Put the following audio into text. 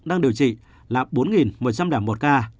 đang điều trị là bốn một trăm linh một ca